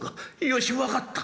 よし分かった」。